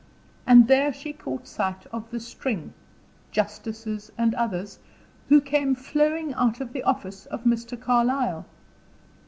And there she caught sight of the string, justices and others, who came flowing out of the office of Mr. Carlyle.